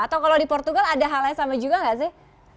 atau kalau di portugal ada hal yang sama juga nggak sih